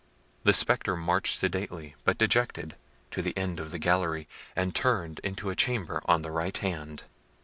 The spectre marched sedately, but dejected, to the end of the gallery, and turned into a chamber on the right hand.